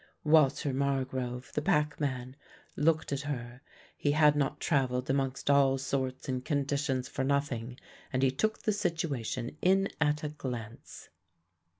Walter Margrove, the packman, looked at her; he had not travelled amongst all sorts and conditions for nothing and he took the situation in at a glance.